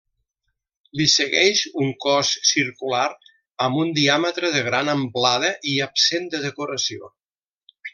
Li segueix un cos circular amb un diàmetre de gran amplada i absent de decoració.